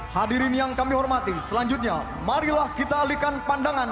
hadirin yang kami hormati selanjutnya marilah kita alihkan pandangan